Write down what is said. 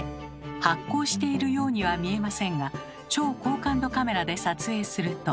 発光しているようには見えませんが超高感度カメラで撮影すると。